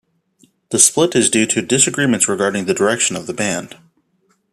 The split is due to disagreements regarding the direction of the band.